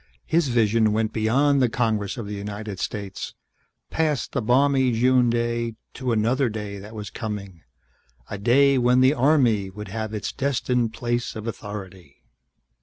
His vision went beyond the Congress of the United States, past the balmy June day to another day that was coming. A day when the Army would have its destined place of authority.